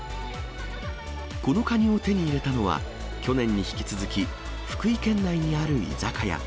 このカニを手に入れたのは、去年に引き続き、福井県内にある居酒屋。